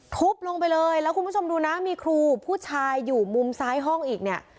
ทุบลงไปเลยแล้วคุณผู้ชมดูนะมีครูผู้ชายอยู่มุมซ้ายห้องอีกเนี่ย